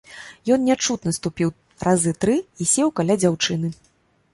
Ён нячутна ступіў разы тры і сеў каля дзяўчыны.